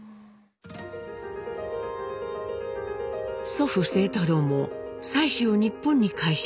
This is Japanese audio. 祖父清太郎も妻子を日本に帰します。